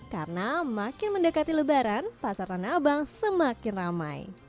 karena makin mendekati lebaran pasar tanah abang semakin ramai